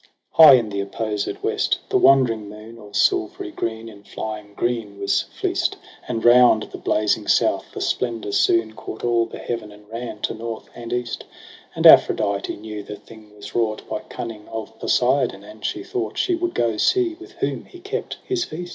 High in the opposed west the wondering moon All silvery green in flying green was fleec't ; And round the blazing South the splendour soon Caught all the heaven, and ran to North and East 5 And Aphrodite knew the thing was wrought By cunning of Poseidon, and she thought She would go see with whom he kept his feast.